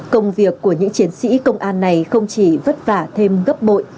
công việc của những chiến sĩ công an này không chỉ vất vả thêm gấp bội